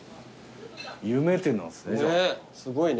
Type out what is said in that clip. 有名店なんですね。